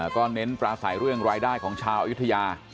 ก็เน้นปราศัยเรื่องรายได้ของชาวอยุธยา